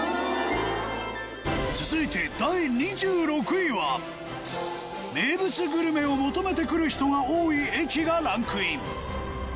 続いて第２６位は名物グルメを求めて来る人が多い駅がランクイン。